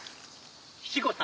七五三。